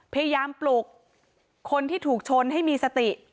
พยายามปลุกคนที่ถูกชนให้มีสติ